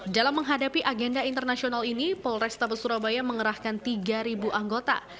dalam menghadapi agenda internasional ini polrestabes surabaya mengerahkan tiga anggota